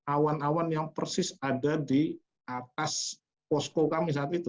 awan awan yang persis ada di atas posko kami saat itu